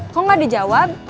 kok gak dijawab